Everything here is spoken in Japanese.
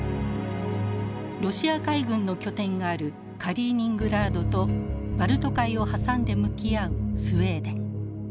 ロシア海軍の拠点があるカリーニングラードとバルト海を挟んで向き合うスウェーデン。